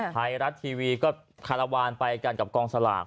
ไทยรัฐทีวีก็คารวาลไปกันกับกองสลาก